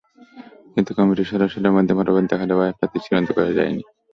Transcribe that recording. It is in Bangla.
কিন্তু কমিটির সদস্যদের মধ্যে মতভেদ দেখা দেওয়ায় প্রার্থী চূড়ান্ত করা যায়নি।